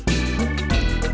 terima kasih bang